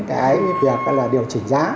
cái việc điều chỉnh giá